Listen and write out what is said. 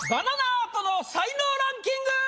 アートの才能ランキング！